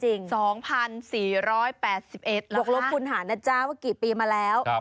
๒๔๘๑หรอคะบอกรบฝุนหานะจ๊ะว่ากี่ปีมาแล้ว